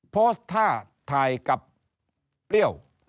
เพราะถ้าทายกับเปรี้ยว